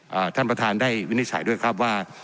ท่านประธานได้วินิจฉัยด้วยครับว่า